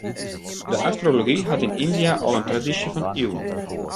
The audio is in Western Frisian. De astrology hat yn Yndia al in tradysje fan iuwen.